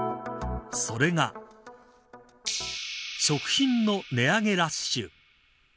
それが食品の値上げラッシュ。